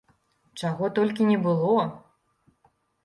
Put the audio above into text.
Чаго толькі не было!